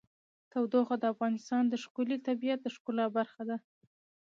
تودوخه د افغانستان د ښکلي طبیعت د ښکلا برخه ده.